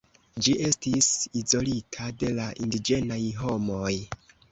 Ĝi estis izolita de la indiĝenaj homoj.